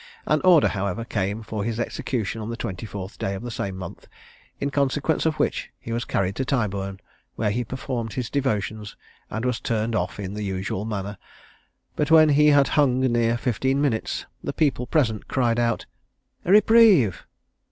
An order, however, came for his execution on the 24th day of the same month, in consequence of which he was carried to Tyburn, where he performed his devotions, and was turned off in the usual manner; but when he had hung near fifteen minutes, the people present cried out, "A reprieve!"